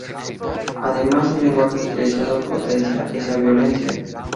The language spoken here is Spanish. Además, el lenguaje utilizado potencia esa violencia.